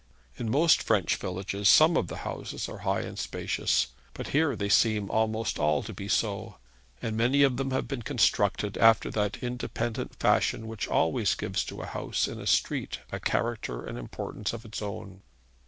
In most French villages some of the houses are high and spacious, but here they seem almost all to be so. And many of them have been constructed after that independent fashion which always gives to a house in a street a character and importance of its own.